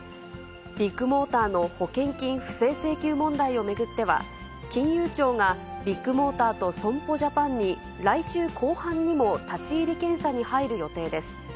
ビッグモーターの保険金不正請求問題を巡っては、金融庁がビッグモーターと損保ジャパンに、来週後半にも立ち入り検査に入る予定です。